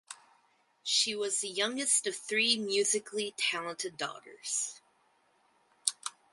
She was the youngest of three musically talented daughters.